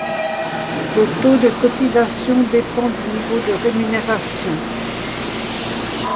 Le taux de cotisation dépend du niveau de rémunération.